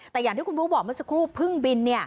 แต่อย่างที่คุณบุ๊คบอกเมื่อสักครู่เพิ่งบิน